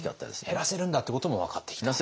減らせるんだということも分かってきた。